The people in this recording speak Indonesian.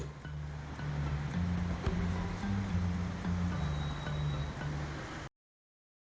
jika anda ingin menemukan petunjuk rambu parkir di tempat tersebut